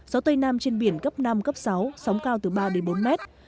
gió tây nam trên biển cấp năm cấp sáu sóng cao từ ba đến bốn mét